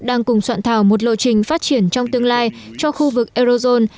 đang cùng soạn thảo một lộ trình phát triển trong tương lai cho khu vực eurozone